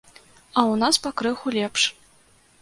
А ў нас пакрыху лепш.